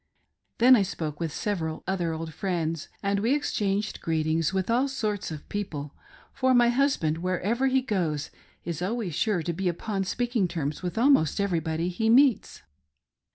Then I spoke with several other old friends, and we exchanged greetings with all sorts of people, for my husband wherever he goes is always sure to be upon speaking terms with almost everybody he meets.